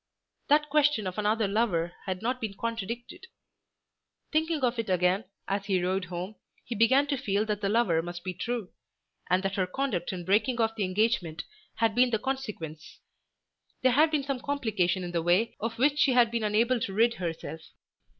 That question of another lover had not been contradicted. Thinking of it again as he rode home he began to feel that the lover must be true, and that her conduct in breaking off the engagement had been the consequence. There had been some complication in the way of which she had been unable to rid herself.